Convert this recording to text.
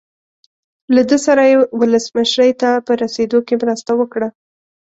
له ده سره یې ولسمشرۍ ته په رسېدو کې مرسته وکړه.